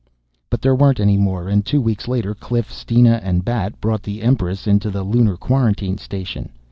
But there weren't any more and two weeks later Cliff, Steena and Bat brought the Empress into the Lunar quarantine station.